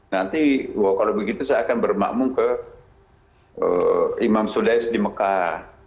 nanti kalau begitu saya akan bermakmum ke imam sudaiz di mekah